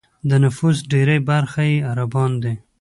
د نفوس ډېری برخه یې عربان دي.